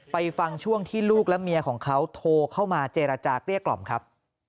ฟังช่วงที่ลูกและเมียของเขาโทรเข้ามาเจรจาเกลี้ยกล่อมครับ